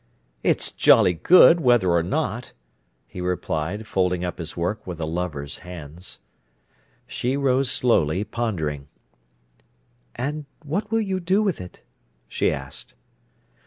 "It's jolly good, whether or not," he replied, folding up his work with a lover's hands. She rose slowly, pondering. "And what will you do with it?" she asked.